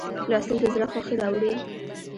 لوستل د زړه خوښي راوړي.